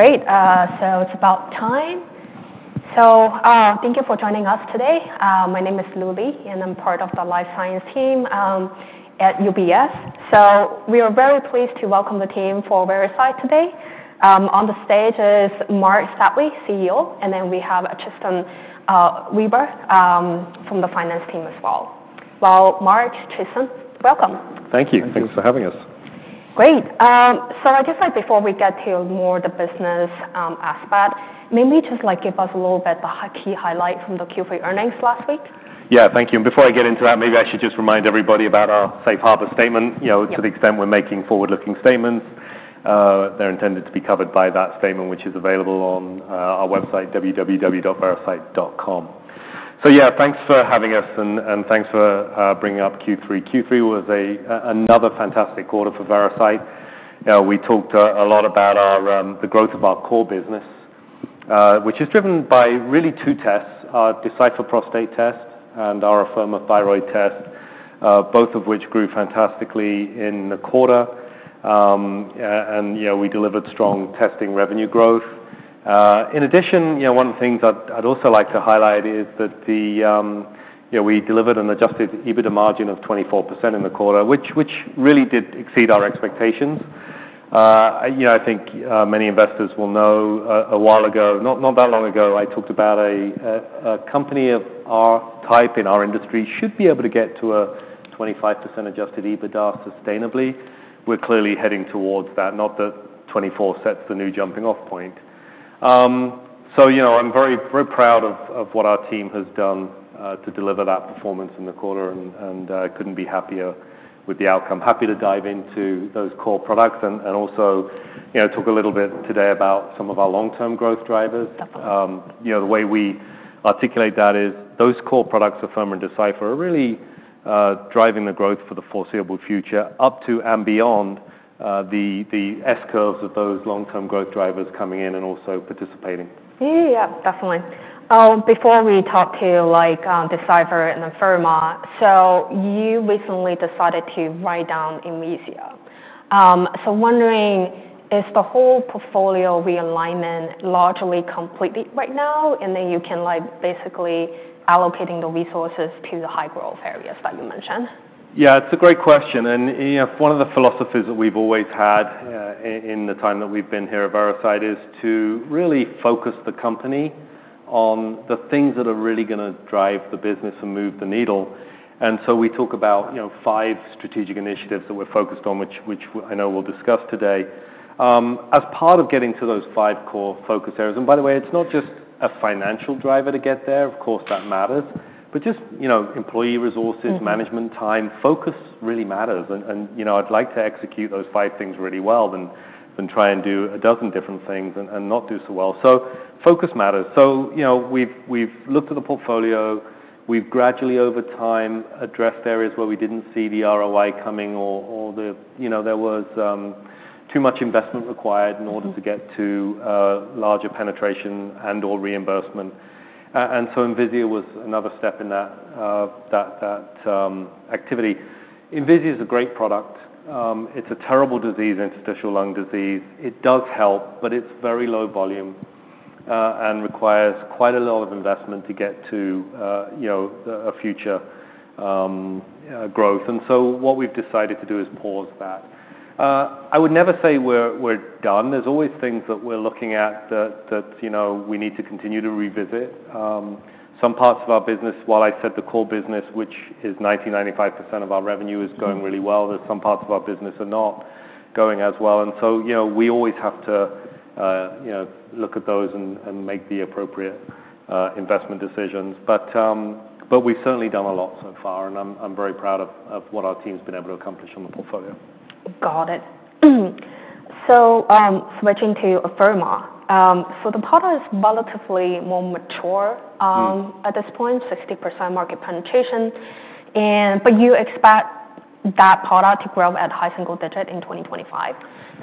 Great. It's about time. Thank you for joining us today. My name is Lily, and I'm part of the life science team at UBS. We are very pleased to welcome the team for Veracyte today. On the stage is Marc Stapley, CEO, and then we have Tristan Webber from the finance team as well. Marc, Tristan, welcome. Thank you. Thanks for having us. Great. So I guess, like, before we get to more the business, aspect, maybe just, like, give us a little bit of the key highlight from the Q3 earnings last week. Yeah, thank you, and before I get into that, maybe I should just remind everybody about our safe harbor statement, you know, to the extent we're making forward-looking statements. They're intended to be covered by that statement, which is available on our website, www.veracyte.com, so yeah, thanks for having us, and thanks for bringing up Q3. Q3 was another fantastic quarter for Veracyte. We talked a lot about our the growth of our core business, which is driven by really two tests, our Decipher prostate test and our Afirma thyroid test, both of which grew fantastically in the quarter, and you know, we delivered strong testing revenue growth. In addition, you know, one of the things I'd also like to highlight is that you know, we delivered an Adjusted EBITDA margin of 24% in the quarter, which really did exceed our expectations. You know, I think many investors will know, a while ago, not that long ago, I talked about a company of our type in our industry should be able to get to a 25% adjusted EBITDA sustainably. We're clearly heading towards that, not that 24% sets the new jumping-off point. So, you know, I'm very, very proud of what our team has done to deliver that performance in the quarter, and couldn't be happier with the outcome. Happy to dive into those core products and also, you know, talk a little bit today about some of our long-term growth drivers. Definitely. You know, the way we articulate that is those core products of Afirma and Decipher are really driving the growth for the foreseeable future up to and beyond the S curves of those long-term growth drivers coming in and also participating. Yeah, yeah, definitely. Before we talk to, like, Decipher and Afirma, so you recently decided to write down Envisia. So wondering, is the whole portfolio realignment largely completed right now, and then you can, like, basically allocating the resources to the high-growth areas that you mentioned? Yeah, it's a great question. And, you know, one of the philosophies that we've always had, in the time that we've been here at Veracyte is to really focus the company on the things that are really gonna drive the business and move the needle. And so we talk about, you know, five strategic initiatives that we're focused on, which I know we'll discuss today. As part of getting to those five core focus areas, and by the way, it's not just a financial driver to get there, of course, that matters, but just, you know, employee resources, management time, focus really matters. And, you know, I'd like to execute those five things really well than try and do a dozen different things and not do so well. So focus matters. So, you know, we've looked at the portfolio. We've gradually over time addressed areas where we didn't see the ROI coming or the, you know, there was too much investment required in order to get to larger penetration and/or reimbursement, and so Envisia was another step in that activity. Envisia is a great product. It's a terrible disease, interstitial lung disease. It does help, but it's very low volume, and requires quite a lot of investment to get to, you know, the future growth, and so what we've decided to do is pause that. I would never say we're done. There's always things that we're looking at that, you know, we need to continue to revisit. Some parts of our business, while I said the core business, which is 90%-95% of our revenue, is going really well, there's some parts of our business are not going as well. And so, you know, we always have to, you know, look at those and make the appropriate investment decisions. But we've certainly done a lot so far, and I'm very proud of what our team's been able to accomplish on the portfolio. Got it. So, switching to Afirma, so the product is relatively more mature, at this point, 60% market penetration. And, but you expect that product to grow at high single digit in 2025.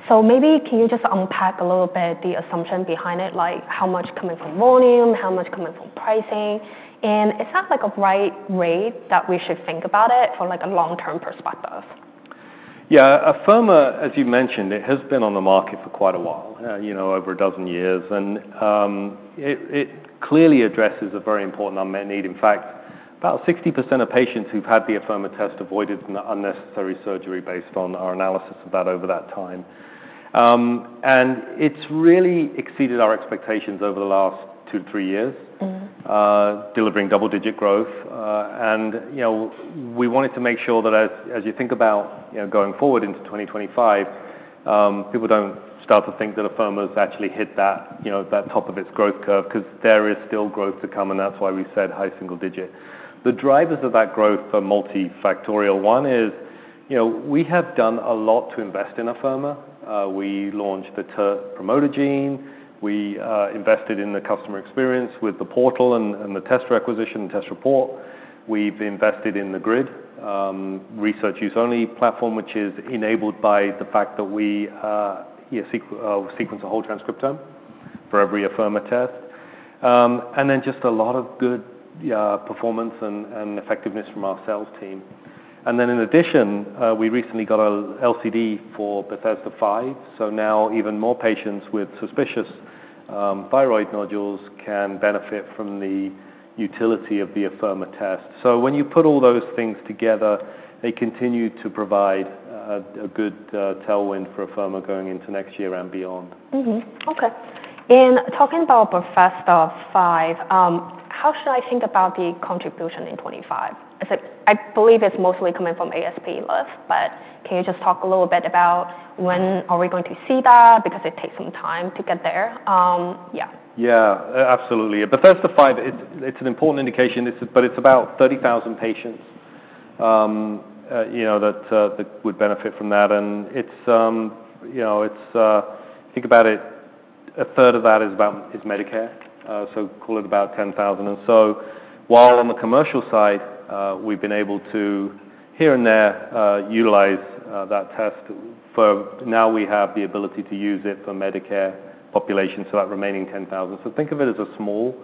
So maybe can you just unpack a little bit the assumption behind it, like how much coming from volume, how much coming from pricing? And is that, like, a right rate that we should think about it for, like, a long-term perspective? Yeah, Afirma, as you mentioned, it has been on the market for quite a while, you know, over a dozen years, and it clearly addresses a very important unmet need. In fact, about 60% of patients who've had the Afirma test avoided an unnecessary surgery based on our analysis of that over that time, and it's really exceeded our expectations over the last two to three years. Mm-hmm. Delivering double-digit growth. And you know, we wanted to make sure that as you think about, you know, going forward into 2025, people don't start to think that Afirma's actually hit that, you know, that top of its growth curve 'cause there is still growth to come, and that's why we said high single digit. The drivers of that growth are multifactorial. One is, you know, we have done a lot to invest in Afirma. We launched the TERT promoter gene. We invested in the customer experience with the portal and the test requisition and test report. We've invested in the GRID research use-only platform, which is enabled by the fact that we, you know, sequence a whole transcriptome for every Afirma test. And then just a lot of good performance and effectiveness from our sales team. And then in addition, we recently got a LCD for Bethesda V, so now even more patients with suspicious thyroid nodules can benefit from the utility of the Afirma test. So when you put all those things together, they continue to provide a good tailwind for Afirma going into next year and beyond. Mm-hmm. Okay. And talking about Bethesda V, how should I think about the contribution in 2025? Is it, I believe it's mostly coming from ASP list, but can you just talk a little bit about when are we going to see that because it takes some time to get there? Yeah. Yeah, absolutely. Bethesda V, it's an important indication. But it's about 30,000 patients, you know, that would benefit from that. And it's, you know, think about it, a third of that is about Medicare, so call it about 10,000. And so while on the commercial side, we've been able to here and there utilize that test for now we have the ability to use it for Medicare populations, so that remaining 10,000. So think of it as a small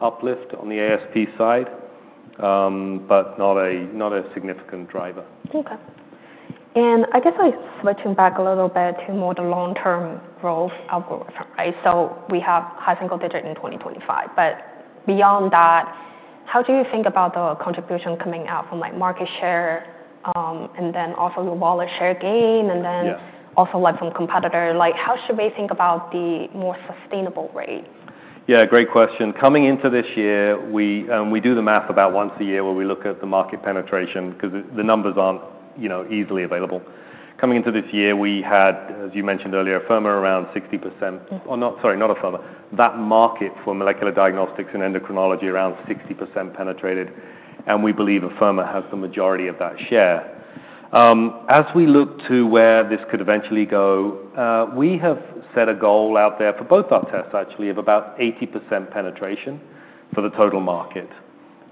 uplift on the ASP side, but not a significant driver. Okay. And I guess I'm switching back a little bit to more the long-term growth algorithm, right? So we have high single digit in 2025, but beyond that, how do you think about the contribution coming out from, like, market share, and then also your wallet share gain? And then. Yeah. Also, like, from competitor, like, how should we think about the more sustainable rate? Yeah, great question. Coming into this year, we do the math about once a year where we look at the market penetration 'cause the numbers aren't, you know, easily available. Coming into this year, we had, as you mentioned earlier, Afirma around 60%. Mm-hmm. Or not, sorry, not Afirma. That market for molecular diagnostics and endocrinology is around 60% penetrated, and we believe Afirma has the majority of that share. As we look to where this could eventually go, we have set a goal out there for both our tests, actually, of about 80% penetration for the total market.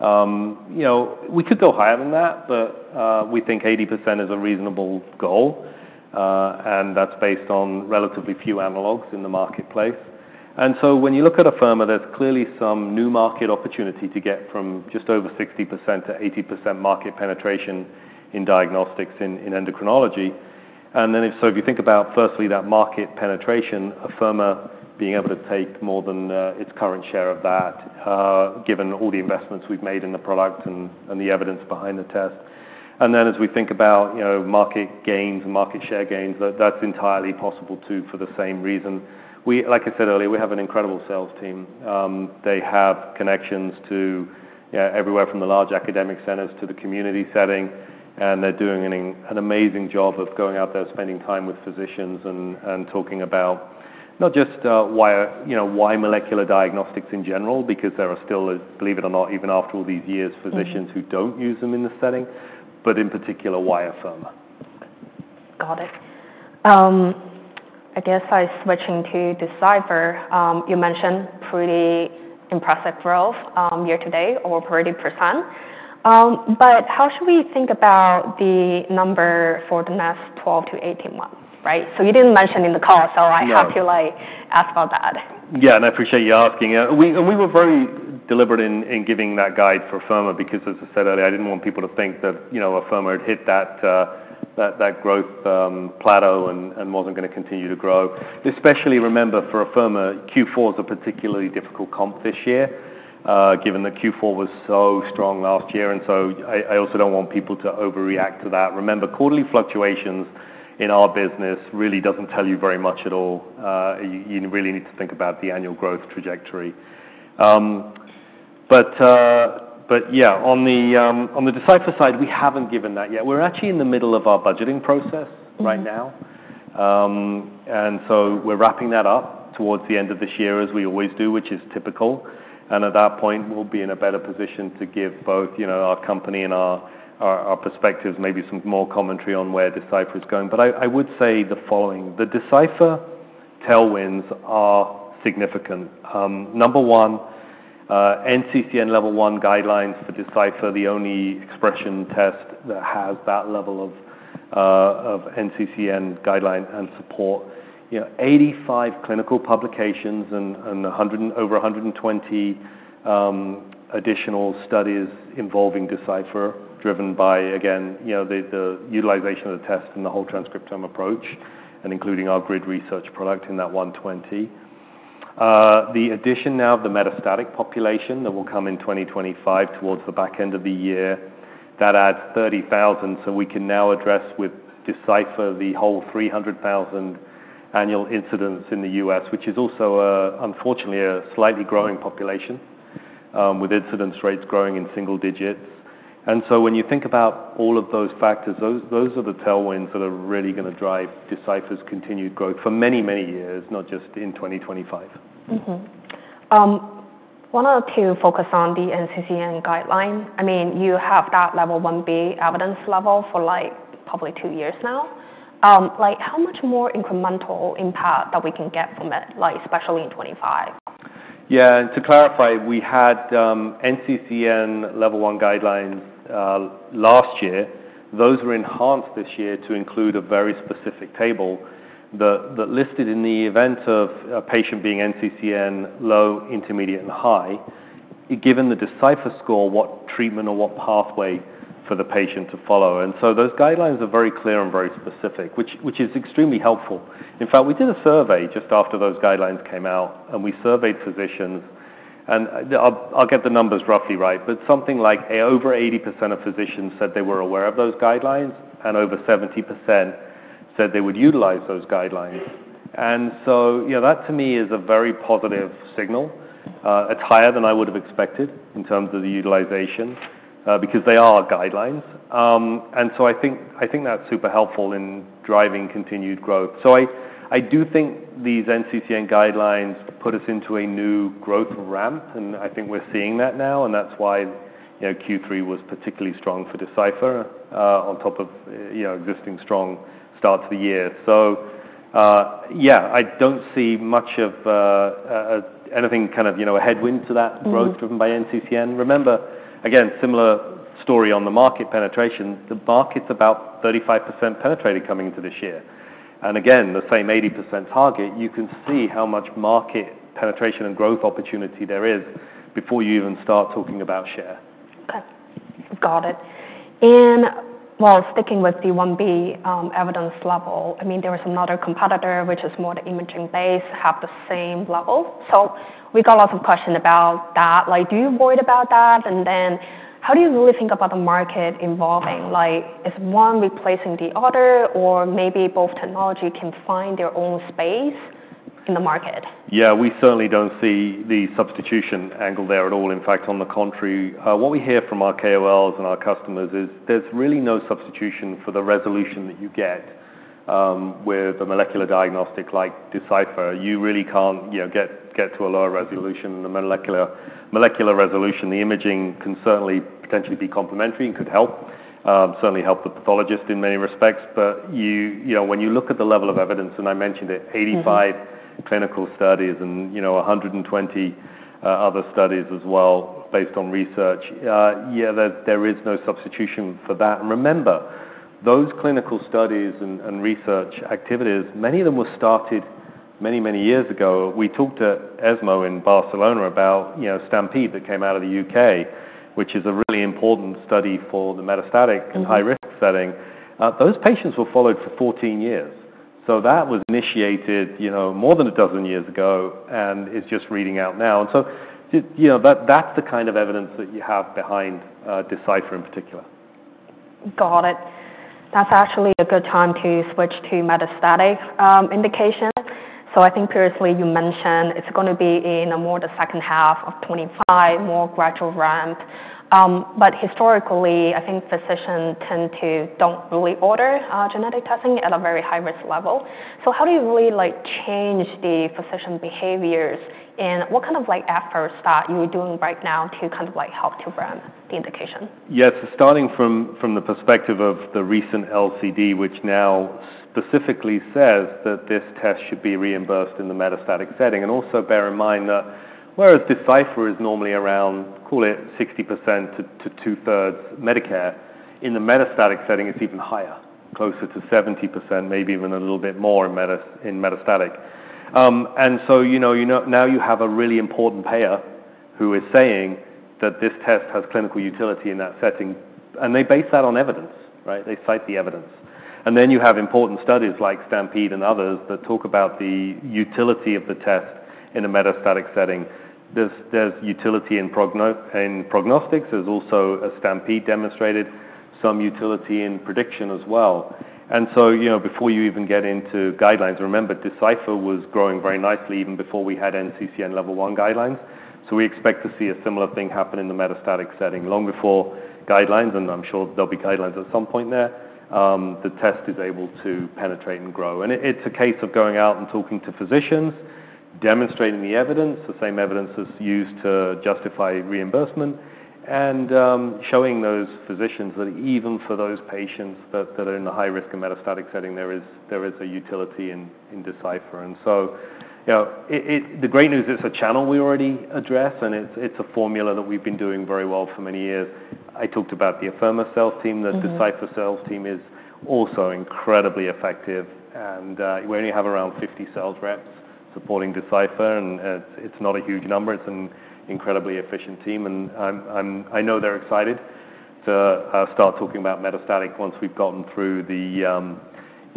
You know, we could go higher than that, but we think 80% is a reasonable goal, and that's based on relatively few analogs in the marketplace. So when you look at Afirma, there's clearly some new market opportunity to get from just over 60% to 80% market penetration in diagnostics in endocrinology. Then, so if you think about firstly that market penetration, Afirma being able to take more than its current share of that, given all the investments we've made in the product and the evidence behind the test. Then as we think about, you know, market gains and market share gains, that's entirely possible too for the same reason. We, like I said earlier, we have an incredible sales team. They have connections to, you know, everywhere from the large academic centers to the community setting, and they're doing an amazing job of going out there, spending time with physicians and talking about not just, why, you know, why molecular diagnostics in general, because there are still, believe it or not, even after all these years, physicians who don't use them in the setting, but in particular, why Afirma. Got it. I guess I'm switching to Decipher. You mentioned pretty impressive growth year to date of 30%. But how should we think about the number for the next 12-18 months, right? So you didn't mention in the call, so I have to, like. Yeah. Ask about that. Yeah, and I appreciate you asking. And we were very deliberate in giving that guide for Afirma because, as I said earlier, I didn't want people to think that, you know, Afirma had hit that growth plateau and wasn't gonna continue to grow. Especially remember for Afirma, Q4's a particularly difficult comp this year, given that Q4 was so strong last year. And so I also don't want people to overreact to that. Remember, quarterly fluctuations in our business really doesn't tell you very much at all. You really need to think about the annual growth trajectory. But yeah, on the Decipher side, we haven't given that yet. We're actually in the middle of our budgeting process right now. And so we're wrapping that up towards the end of this year, as we always do, which is typical. At that point, we'll be in a better position to give both, you know, our company and our perspectives, maybe some more commentary on where Decipher is going. But I would say the following. The Decipher tailwinds are significant. Number one, NCCN level one guidelines for Decipher, the only expression test that has that level of NCCN guideline and support, you know, 85 clinical publications and 100 and over 120 additional studies involving Decipher driven by, again, you know, the utilization of the test and the whole transcriptome approach and including our GRID research product in that 120. The addition now of the metastatic population that will come in 2025 towards the back end of the year, that adds 30,000. So we can now address with Decipher the whole 300,000 annual incidents in the U.S., which is also, unfortunately, a slightly growing population, with incidence rates growing in single digits. And so when you think about all of those factors, those are the tailwinds that are really gonna drive Decipher's continued growth for many, many years, not just in 2025. Wanted to focus on the NCCN guideline. I mean, you have that level one B evidence level for, like, probably two years now. Like, how much more incremental impact that we can get from it, like, especially in 2025? Yeah, and to clarify, we had NCCN level one guidelines last year. Those were enhanced this year to include a very specific table that listed in the event of a patient being NCCN low, intermediate, and high, given the Decipher score, what treatment or what pathway for the patient to follow. And so those guidelines are very clear and very specific, which is extremely helpful. In fact, we did a survey just after those guidelines came out, and we surveyed physicians. And I'll get the numbers roughly right, but something like over 80% of physicians said they were aware of those guidelines, and over 70% said they would utilize those guidelines. And so, you know, that to me is a very positive signal. It's higher than I would've expected in terms of the utilization, because they are guidelines. And so I think that's super helpful in driving continued growth. So I do think these NCCN guidelines put us into a new growth ramp, and I think we're seeing that now. That's why, you know, Q3 was particularly strong for Decipher, on top of, you know, existing strong start to the year. Yeah, I don't see much of anything kind of, you know, a headwind to that growth driven by NCCN. Remember, again, similar story on the market penetration. The market's about 35% penetrated coming into this year. Again, the same 80% target. You can see how much market penetration and growth opportunity there is before you even start talking about share. Okay. Got it. While sticking with the one B evidence level, I mean, there was another competitor, which is more the imaging-based, have the same level. So we got lots of questions about that. Like, do you worry about that? Then how do you really think about the market evolving? Like, is one replacing the other, or maybe both technologies can find their own space in the market? Yeah, we certainly don't see the substitution angle there at all. In fact, on the contrary, what we hear from our KOLs and our customers is there's really no substitution for the resolution that you get, with a molecular diagnostic like Decipher. You really can't, you know, get to a lower resolution. And the molecular resolution, the imaging can certainly potentially be complementary and could help, certainly help the pathologist in many respects. But you know, when you look at the level of evidence, and I mentioned it, 85 clinical studies and, you know, 120 other studies as well based on research, yeah, there is no substitution for that. And remember, those clinical studies and research activities, many of them were started many, many years ago. We talked at ESMO in Barcelona about, you know, STAMPEDE that came out of the UK, which is a really important study for the metastatic and high-risk setting. Those patients were followed for 14 years. So that was initiated, you know, more than a dozen years ago and is just reading out now. And so you know, that, that's the kind of evidence that you have behind, Decipher in particular. Got it. That's actually a good time to switch to metastatic indication. So I think previously you mentioned it's gonna be in more the second half of 2025, more gradual ramp. But historically, I think physicians tend to don't really order genetic testing at a very high-risk level. So how do you really, like, change the physician behaviors and what kind of, like, efforts that you're doing right now to kind of, like, help to ramp the indication? Yes, starting from the perspective of the recent LCD, which now specifically says that this test should be reimbursed in the metastatic setting. Also bear in mind that whereas Decipher is normally around, call it 60% to two-thirds Medicare, in the metastatic setting, it's even higher, closer to 70%, maybe even a little bit more in metastatic, and so, you know, now you have a really important payer who is saying that this test has clinical utility in that setting, and they base that on evidence, right? They cite the evidence. Then you have important studies like STAMPEDE and others that talk about the utility of the test in a metastatic setting. There's utility in prognostics. There's also a STAMPEDE demonstrated some utility in prediction as well. And so, you know, before you even get into guidelines, remember, Decipher was growing very nicely even before we had NCCN level one guidelines. So we expect to see a similar thing happen in the metastatic setting long before guidelines. And I'm sure there'll be guidelines at some point there. The test is able to penetrate and grow. And it's a case of going out and talking to physicians, demonstrating the evidence, the same evidence that's used to justify reimbursement, and showing those physicians that even for those patients that are in the high-risk and metastatic setting, there is a utility in Decipher. And so, you know, it, the great news is it's a channel we already address, and it's a formula that we've been doing very well for many years. I talked about the Afirma sales team. The Decipher sales team is also incredibly effective. We only have around 50 sales reps supporting Decipher, and it's not a huge number. It's an incredibly efficient team. I know they're excited to start talking about metastatic once we've gotten through, you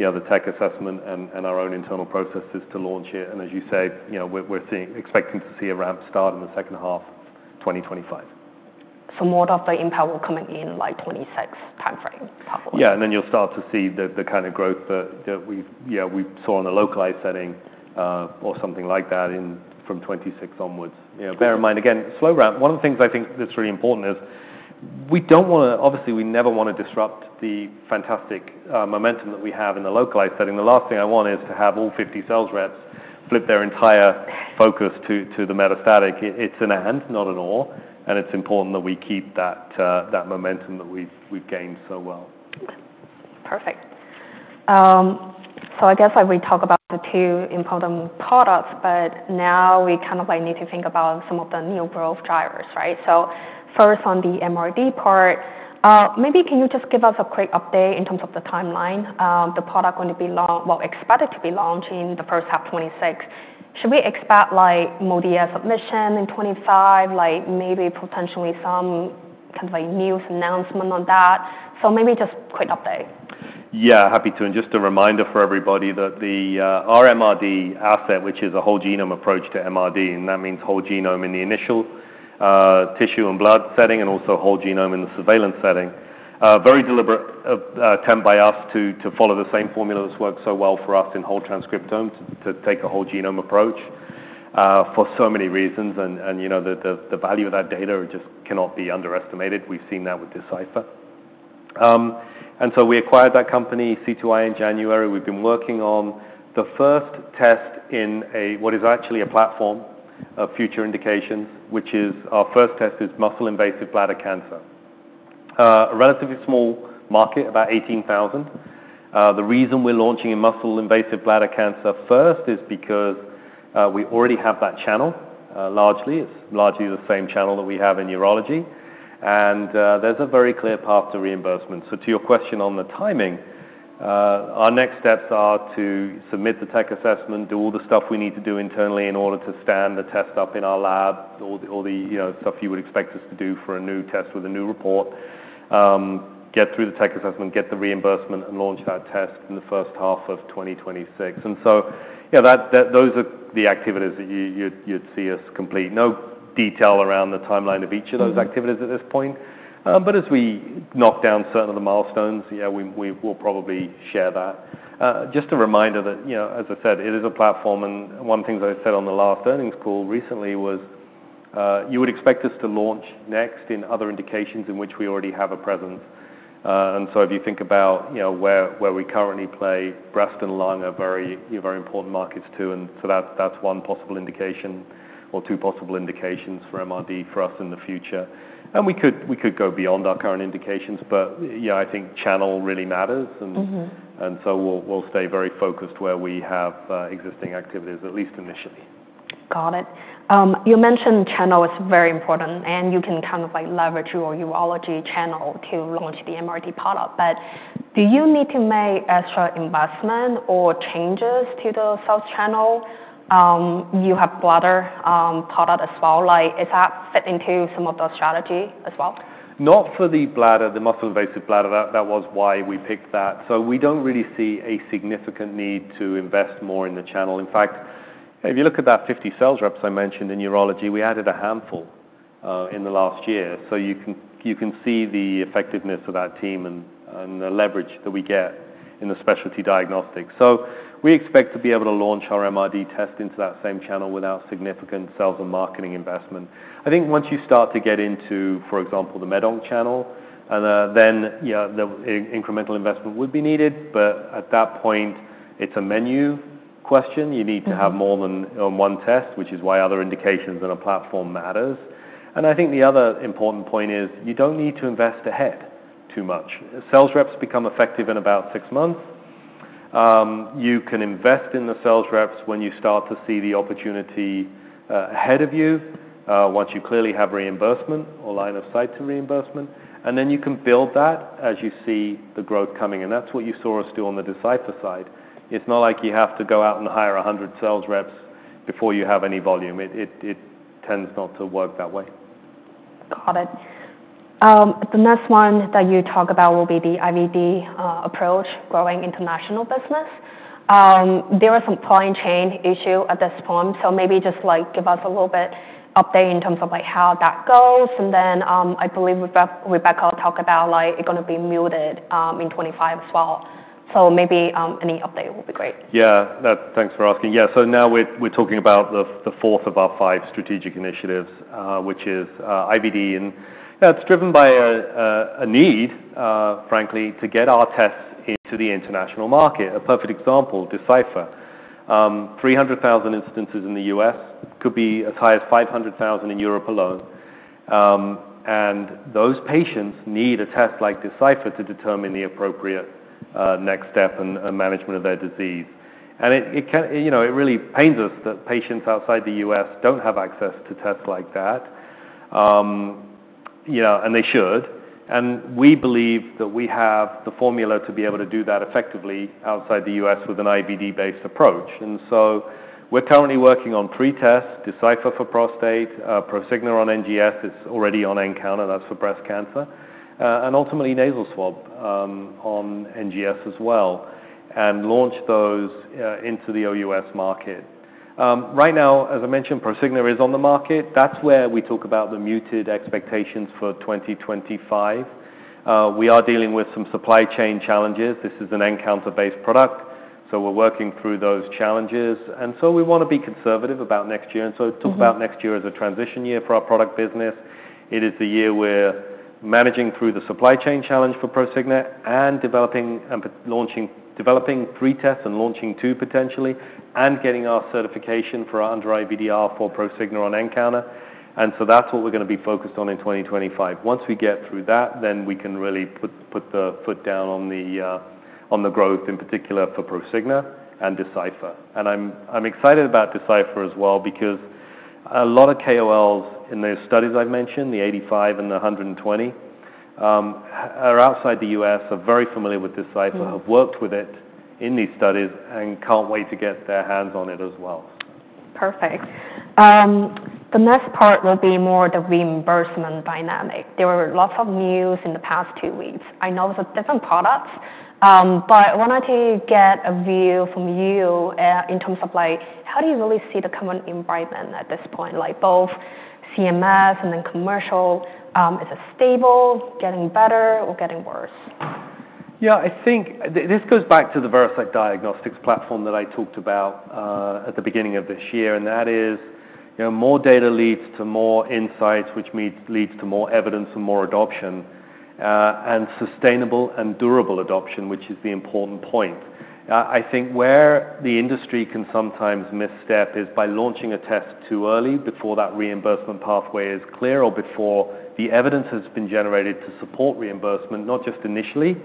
know, the tech assessment and our own internal processes to launch it. As you say, you know, we're expecting to see a ramp start in the second half of 2025. So more of the impact will come in, like, 2026 timeframe probably. Yeah. Then you'll start to see the kind of growth that we've saw in the localized setting, or something like that from 2026 onwards. You know, bear in mind again, slow ramp. One of the things I think that's really important is we don't wanna, obviously, we never wanna disrupt the fantastic momentum that we have in the localized setting. The last thing I want is to have all 50 sales reps flip their entire focus to the metastatic. It's an and, not an or. It's important that we keep that momentum that we've gained so well. Okay. Perfect. So I guess that we talked about the two important products, but now we kind of, like, need to think about some of the new growth drivers, right? So first on the MRD part, maybe can you just give us a quick update in terms of the timeline? The product gonna be launched, well, expected to be launched in the first half 2026. Should we expect, like, MolDX submission in 2025, like, maybe potentially some kind of, like, news announcement on that? So maybe just quick update. Yeah, happy to. And just a reminder for everybody that the, our MRD asset, which is a whole genome approach to MRD, and that means whole genome in the initial, tissue and blood setting and also whole genome in the surveillance setting. Very deliberate attempt by us to follow the same formula that's worked so well for us in whole transcriptome to take a whole genome approach, for so many reasons. And, and, you know, the, the, the value of that data just cannot be underestimated. We've seen that with Decipher. And so we acquired that company, C2i, in January. We've been working on the first test in a, what is actually a platform of future indications, which is our first test is muscle-invasive bladder cancer. A relatively small market, about 18,000. The reason we're launching in muscle-invasive bladder cancer first is because we already have that channel, largely. It's largely the same channel that we have in urology. And, there's a very clear path to reimbursement. So to your question on the timing, our next steps are to submit the tech assessment, do all the stuff we need to do internally in order to stand the test up in our lab, all the, you know, stuff you would expect us to do for a new test with a new report, get through the tech assessment, get the reimbursement, and launch that test in the first half of 2026. And so, yeah, that those are the activities that you'd see us complete. No detail around the timeline of each of those activities at this point. But as we knock down certain of the milestones, yeah, we will probably share that. Just a reminder that, you know, as I said, it is a platform. And one of the things I said on the last earnings call recently was, you would expect us to launch next in other indications in which we already have a presence. And so if you think about, you know, where we currently play, breast and lung are very, you know, very important markets too. And so that's one possible indication or two possible indications for MRD for us in the future. And we could go beyond our current indications, but, you know, I think channel really matters. And so we'll stay very focused where we have existing activities, at least initially. Got it. You mentioned channel is very important, and you can kind of, like, leverage your urology channel to launch the MRD product. But do you need to make extra investment or changes to the sales channel? You have bladder product as well. Like, is that fit into some of the strategy as well? Not for the bladder, the muscle-invasive bladder. That was why we picked that so we don't really see a significant need to invest more in the channel. In fact, if you look at that 50 sales reps I mentioned in urology, we added a handful in the last year so you can see the effectiveness of that team and the leverage that we get in the specialty diagnostics so we expect to be able to launch our MRD test into that same channel without significant sales and marketing investment. I think once you start to get into, for example, the med onc channel, then yeah, the incremental investment would be needed. But at that point, it's a menu question. You need to have more than one test, which is why other indications and a platform matters. And I think the other important point is you don't need to invest ahead too much. Sales reps become effective in about six months. You can invest in the sales reps when you start to see the opportunity, ahead of you, once you clearly have reimbursement or line of sight to reimbursement. And then you can build that as you see the growth coming. And that's what you saw us do on the Decipher side. It's not like you have to go out and hire a hundred sales reps before you have any volume. It tends not to work that way. Got it. The next one that you talk about will be the IVD approach, growing international business. There are some supply chain issues at this point. So maybe just, like, give us a little bit update in terms of, like, how that goes. And then, I believe Rebecca will talk about, like, it's gonna be muted in 2025 as well. So maybe, any update will be great. Yeah, thanks for asking. Yeah. So now we're talking about the fourth of our five strategic initiatives, which is IVD. And yeah, it's driven by a need, frankly, to get our tests into the international market. A perfect example, Decipher. 300,000 instances in the U.S. could be as high as 500,000 in Europe alone. And those patients need a test like Decipher to determine the appropriate next step and management of their disease. And it can, you know, it really pains us that patients outside the U.S. don't have access to tests like that, you know, and they should. And we believe that we have the formula to be able to do that effectively outside the U.S. with an IVD-based approach. And so we're currently working on pre-test, Decipher for prostate, Prosigna on NGS is already on nCounter. That's for breast cancer. And ultimately nasal swab, on NGS as well, and launch those into the OUS market. Right now, as I mentioned, Prosigna is on the market. That's where we talk about the muted expectations for 2025. We are dealing with some supply chain challenges. This is an nCounter-based product. So we're working through those challenges. We wanna be conservative about next year. We talk about next year as a transition year for our product business. It is the year we're managing through the supply chain challenge for Prosigna and developing and launching, developing pre-test and launching two potentially and getting our certification for our under IVDR for Prosigna on nCounter. That's what we're gonna be focused on in 2025. Once we get through that, then we can really put, put the foot down on the, on the growth in particular for Prosigna and Decipher. And I'm excited about Decipher as well because a lot of KOLs in those studies I've mentioned, the 85 and the 120, are outside the US, are very familiar with Decipher, have worked with it in these studies, and can't wait to get their hands on it as well. Perfect. The next part will be more the reimbursement dynamic. There were lots of news in the past two weeks. I know it's a different product, but I wanted to get a view from you, in terms of, like, how do you really see the current environment at this point? Like, both CMS and then commercial, is it stable, getting better, or getting worse? Yeah, I think this goes back to the Veracyte Diagnostics platform that I talked about, at the beginning of this year. And that is, you know, more data leads to more insights, which means leads to more evidence and more adoption, and sustainable and durable adoption, which is the important point. I think where the industry can sometimes misstep is by launching a test too early before that reimbursement pathway is clear or before the evidence has been generated to support reimbursement, not just initially,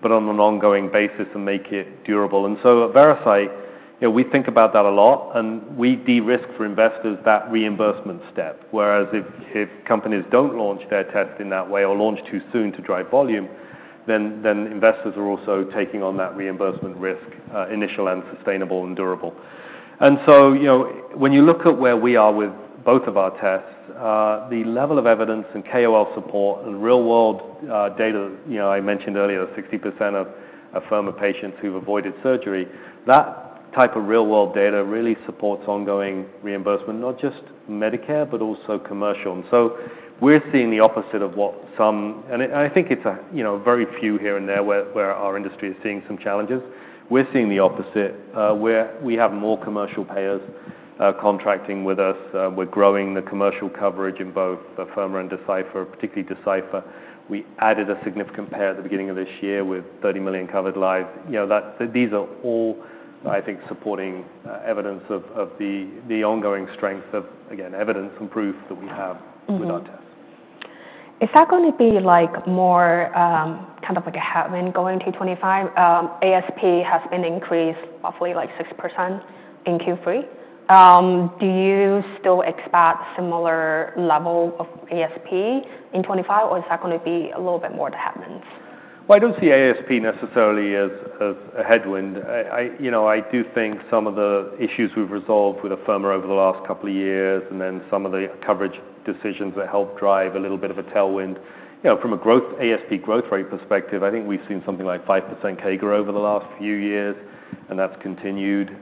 but on an ongoing basis and make it durable. And so at Veracyte, you know, we think about that a lot, and we de-risk for investors that reimbursement step. Whereas if, if companies don't launch their test in that way or launch too soon to drive volume, then, then investors are also taking on that reimbursement risk, initial and sustainable and durable. And so, you know, when you look at where we are with both of our tests, the level of evidence and KOL support and real-world data, you know, I mentioned earlier, 60% of Afirma patients who've avoided surgery, that type of real-world data really supports ongoing reimbursement, not just Medicare, but also commercial. And so we're seeing the opposite of what some, and I think it's a, you know, very few here and there where our industry is seeing some challenges. We're seeing the opposite, where we have more commercial payers contracting with us. We're growing the commercial coverage in both the Afirma and Decipher, particularly Decipher. We added a significant payer at the beginning of this year with 30 million covered lives. You know that these are all, I think, supporting evidence of the ongoing strength of, again, evidence and proof that we have with our tests. Is that gonna be like more, kind of like a headwind going to '25? ASP has been increased roughly like 6% in Q3. Do you still expect similar level of ASP in '25, or is that gonna be a little bit more to happen? I don't see ASP necessarily as a headwind. You know, I do think some of the issues we've resolved with Afirma over the last couple of years and then some of the coverage decisions that help drive a little bit of a tailwind, you know, from a growth ASP growth rate perspective, I think we've seen something like 5% CAGR over the last few years, and that's continued,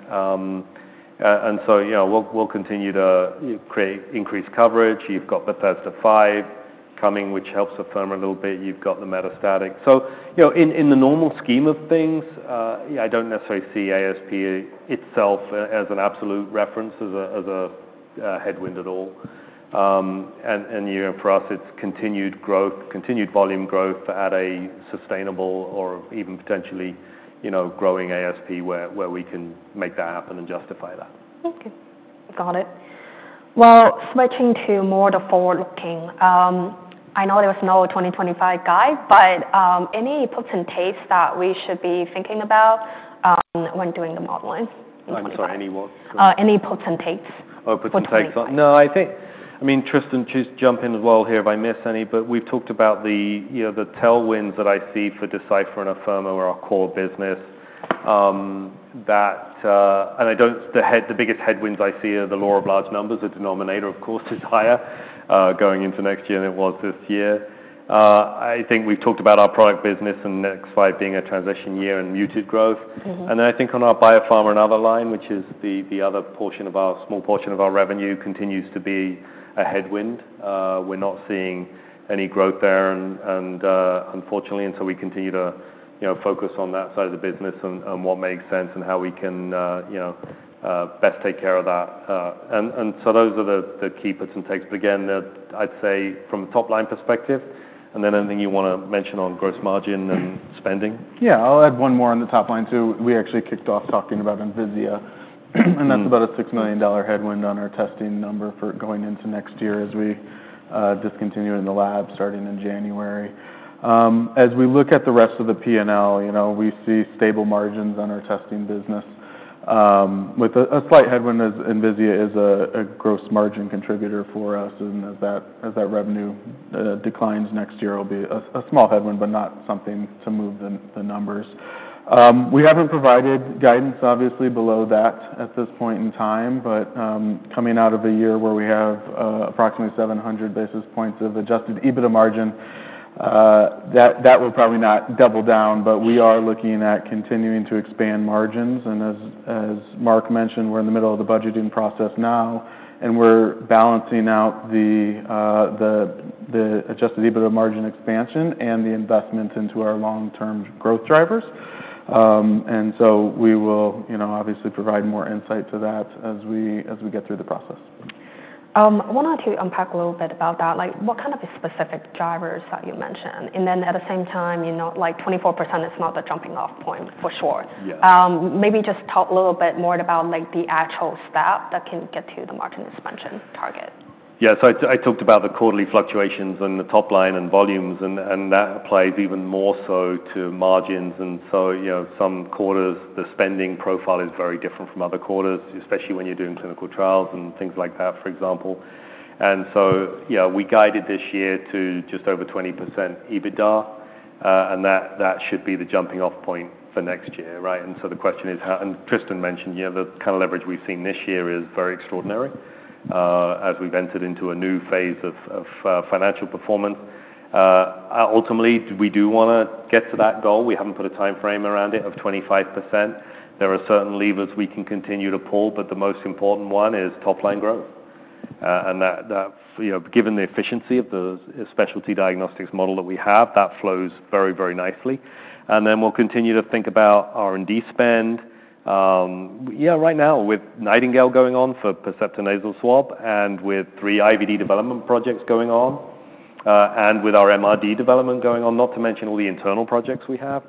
and so, you know, we'll continue to create increased coverage. You've got Bethesda V coming, which helps Afirma a little bit. You've got the metastatic, so you know, in the normal scheme of things, I don't necessarily see ASP itself as an absolute reference, as a headwind at all. And, you know, for us, it's continued growth, continued volume growth at a sustainable or even potentially, you know, growing ASP where we can make that happen and justify that. Okay. Got it. Switching to more of the forward-looking, I know there was no 2025 guidance, but any potential tests that we should be thinking about when doing the modeling? I'm sorry, any what? Any potent taste? Oh, Prosigna test? No, I think, I mean, Tristan, feel free to jump in as well here if I miss any, but we've talked about the, you know, the tailwinds that I see for Decipher and Afirma or our core business, that, and I don't—the biggest headwinds I see are the law of large numbers. The denominator, of course, is higher, going into next year than it was this year. I think we've talked about our product business and 2025 being a transition year and muted growth. And then I think on our biopharma and other line, which is the, the other portion of our small portion of our revenue continues to be a headwind. We're not seeing any growth there and, unfortunately. And so we continue to, you know, focus on that side of the business and so those are the key points to take. But again, that I'd say from a top-line perspective. And then anything you wanna mention on gross margin and spending? Yeah, I'll add one more on the top line too. We actually kicked off talking about Envisia, and that's about a $6 million headwind on our testing number for going into next year as we discontinue in the lab starting in January. As we look at the rest of the P&L, you know, we see stable margins on our testing business with a slight headwind as Envisia is a gross margin contributor for us. And as that revenue declines next year, it'll be a small headwind, but not something to move the numbers. We haven't provided guidance, obviously, below that at this point in time, but coming out of a year where we have approximately 700 basis points of Adjusted EBITDA margin, that will probably not double down, but we are looking at continuing to expand margins. As Marc mentioned, we're in the middle of the budgeting process now, and we're balancing out the adjusted EBITDA margin expansion and the investment into our long-term growth drivers, and so we will, you know, obviously provide more insight to that as we get through the process. I wanted to unpack a little bit about that. Like, what kind of specific drivers that you mentioned, and then at the same time, you know, like 24% is not the jumping-off point for sure. Yeah. Maybe just talk a little bit more about, like, the actual step that can get to the margin expansion target. Yeah. So I, I talked about the quarterly fluctuations and the top line and volumes, and, and that applies even more so to margins. You know, some quarters, the spending profile is very different from other quarters, especially when you're doing clinical trials and things like that, for example. You know, we guided this year to just over 20% EBITDA, and that, that should be the jumping-off point for next year, right? The question is how, and Tristan mentioned, you know, the kind of leverage we've seen this year is very extraordinary, as we've entered into a new phase of, of, financial performance. Ultimately, we do wanna get to that goal. We haven't put a timeframe around it of 25%. There are certain levers we can continue to pull, but the most important one is top-line growth. and that, you know, given the efficiency of the specialty diagnostics model that we have, that flows very, very nicely. And then we'll continue to think about R&D spend. Yeah, right now with Nightingale going on for Percepta nasal swab and with three IVD development projects going on, and with our MRD development going on, not to mention all the internal projects we have.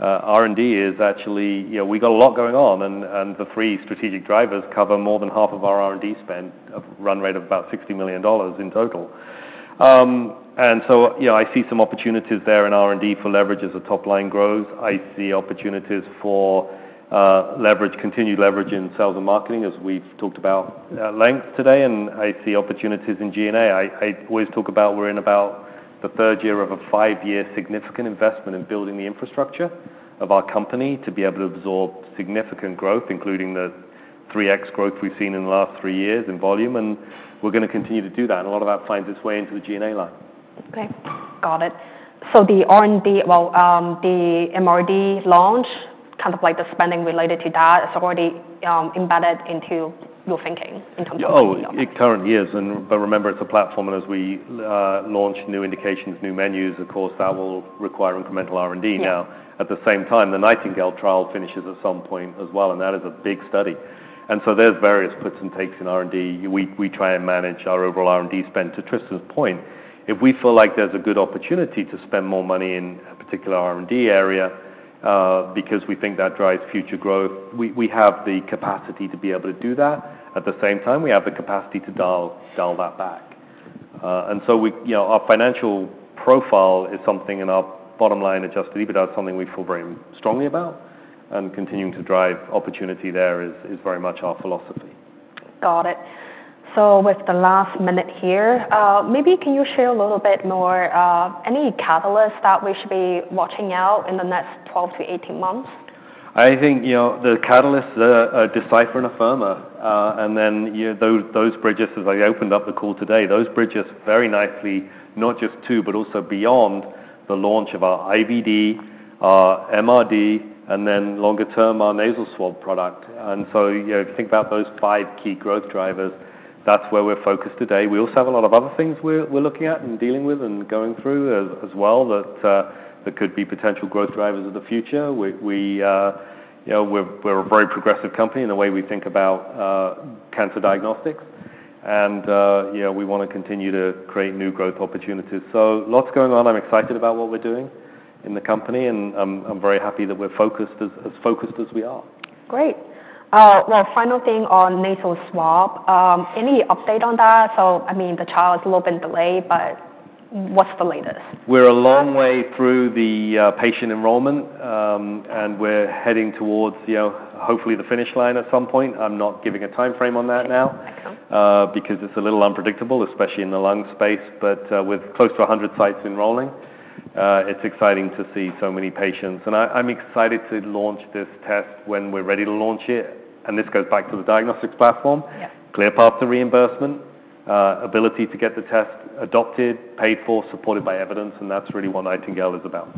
R&D is actually, you know, we got a lot going on, and the three strategic drivers cover more than half of our R&D spend, a run rate of about $60 million in total. And so, you know, I see some opportunities there in R&D for leverage as the top line grows. I see opportunities for leverage, continued leverage in sales and marketing, as we've talked about at length today. And I see opportunities in G&A. I always talk about we're in about the third year of a five-year significant investment in building the infrastructure of our company to be able to absorb significant growth, including the 3X growth we've seen in the last three years in volume. We're gonna continue to do that. A lot of that finds its way into the G&A line. Okay. Got it. So the R&D, well, the MRD launch, kind of like the spending related to that, it's already, embedded into your thinking in terms of the. Oh, it currently is. But remember, it's a platform. As we launch new indications, new menus, of course, that will require incremental R&D. Now, at the same time, the Nightingale trial finishes at some point as well, and that is a big study. So there's various components in R&D. We try and manage our overall R&D spend. To Tristan's point, if we feel like there's a good opportunity to spend more money in a particular R&D area, because we think that drives future growth, we have the capacity to be able to do that. At the same time, we have the capacity to dial that back. So we, you know, our financial profile is something, in our bottom line Adjusted EBITDA is something we feel very strongly about, and continuing to drive opportunities there is very much our philosophy. Got it. So with the last minute here, maybe can you share a little bit more, any catalysts that we should be watching out in the next 12-18 months? I think, you know, the catalysts are Decipher and Afirma. And then, you know, those bridges, as I opened up the call today, those bridges very nicely, not just to, but also beyond the launch of our IVD, MRD, and then longer term, our nasal swab product. And so, you know, if you think about those five key growth drivers, that's where we're focused today. We also have a lot of other things we're looking at and dealing with and going through as well that could be potential growth drivers of the future. We, you know, we're a very progressive company in the way we think about cancer diagnostics. And, you know, we wanna continue to create new growth opportunities. So lots going on. I'm excited about what we're doing in the company, and I'm very happy that we're as focused as we are. Great. Well, final thing on nasal swab, any update on that? So, I mean, the trial's a little bit delayed, but what's the latest? We're a long way through the patient enrollment, and we're heading towards you know hopefully the finish line at some point. I'm not giving a timeframe on that now, because it's a little unpredictable, especially in the lung space. But with close to 100 sites enrolling, it's exciting to see so many patients. And I'm excited to launch this test when we're ready to launch it. And this goes back to the diagnostics platform, clear path to reimbursement, ability to get the test adopted, paid for, supported by evidence. And that's really what Nightingale is about.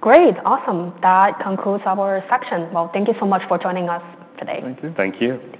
Great. Awesome. That concludes our section. Well, thank you so much for joining us today. Thank you. Thank you.